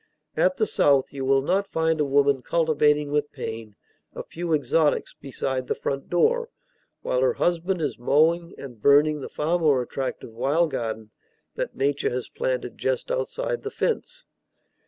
At the South you will not find a woman cultivating with pain a few exotics beside the front door, while her husband is mowing and burning the far more attractive wild garden that nature has planted just outside the fence.